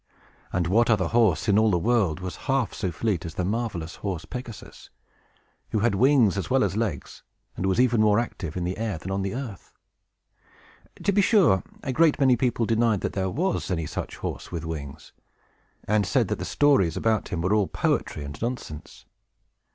And what other horse, in all the world, was half so fleet as the marvelous horse Pegasus, who had wings as well as legs, and was even more active in the air than on the earth? To be sure, a great many people denied that there was any such horse with wings, and said that the stories about him were all poetry and nonsense.